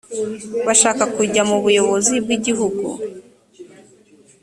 bashaka kujya mu buyobozi bw’igihugu